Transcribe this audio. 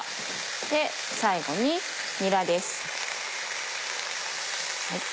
で最後ににらです。